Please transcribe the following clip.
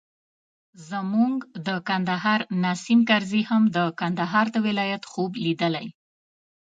زموږ د کندهار نیسم کرزي هم د کندهار د ولایت خوب لیدلی.